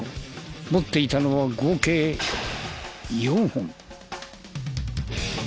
持っていたのは合計４本。